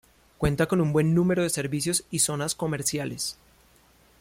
Cuenta con un buen número de servicios y zonas comerciales.